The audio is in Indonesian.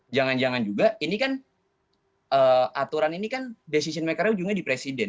jangan jangan juga ini kan aturan ini kan decision makernya ujungnya di presiden